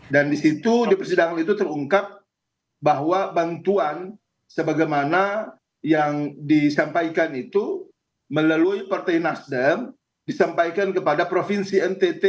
dan di situ di persidangan itu terungkap bahwa bantuan sebagaimana yang disampaikan itu melalui partai nasdem disampaikan kepada provinsi ntt